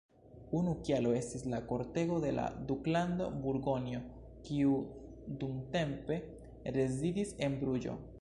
Unu kialo estis la kortego de la Duklando Burgonjo, kiu dumtempe rezidis en Bruĝo.